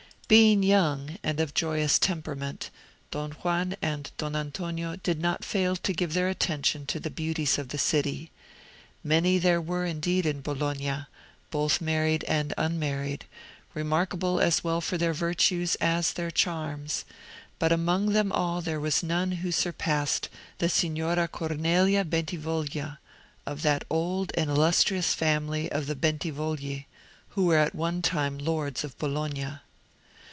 Being young, and of joyous temperament, Don Juan and Don Antonio did not fail to give their attention to the beauties of the city. Many there were indeed in Bologna, both married and unmarried, remarkable as well for their virtues as their charms; but among them all there was none who surpassed the Signora Cornelia Bentivoglia, of that old and illustrious family of the Bentivogli, who were at one time lords of Bologna.